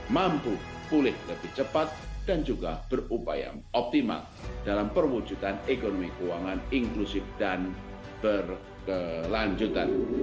mampu pulih lebih cepat dan juga berupaya optimal dalam perwujudan ekonomi keuangan inklusif dan berkelanjutan